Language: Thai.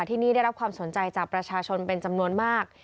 ที่นี่ได้รับความสนใจจากประชาชนเป็นจำนวนมาก